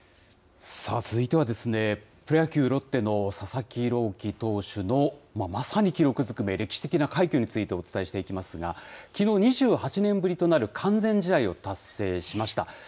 続いては、プロ野球・ロッテの佐々木朗希投手のまさに記録ずくめ、歴史的な快挙についてお伝えしていきますが、きのう、２８年ぶりとなる完全試合を達成しました。